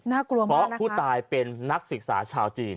กลัวมากเพราะผู้ตายเป็นนักศึกษาชาวจีน